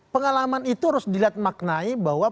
pengalaman itu harus dilihat maknai bahwa